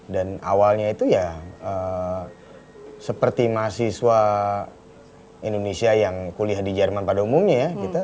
awalnya itu ya seperti mahasiswa indonesia yang kuliah di jerman pada umumnya ya